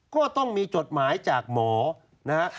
ก็ต้องมีจดหมายจากหมอนะฮะ